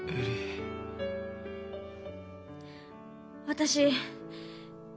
私。